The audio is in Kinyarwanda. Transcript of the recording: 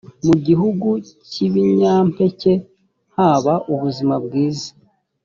mu gihugu cy’ibinyampeke haba ubuzima bwiza